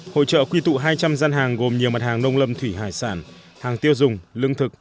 hội trợ quy tụ hai trăm linh gian hàng gồm nhiều mặt hàng nông lâm thủy hải sản hàng tiêu dùng lương thực